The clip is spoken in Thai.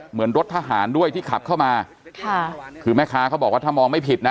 เหมือนรถทหารด้วยที่ขับเข้ามาค่ะคือแม่ค้าเขาบอกว่าถ้ามองไม่ผิดนะ